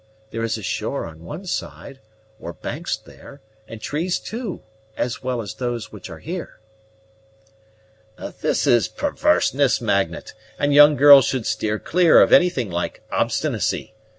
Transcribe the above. There is a shore on one side, or banks there, and trees too, as well as those which are here." "This is perverseness, Magnet, and young girls should steer clear of anything like obstinacy.